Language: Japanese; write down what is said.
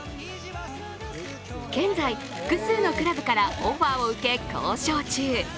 現在、複数のクラブからオファーを受け、交渉中。